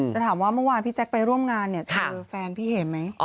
ถามว่าเมื่อวานพี่แจ๊คไปร่วมงานเนี่ยเจอแฟนพี่เห็มไหม